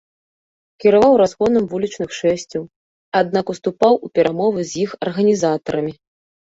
Кіраваў разгонам вулічных шэсцяў, аднак уступаў у перамовы з іх арганізатарамі.